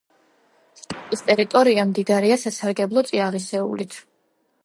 შტატის ტერიტორია მდიდარია სასარგებლო წიაღისეულით.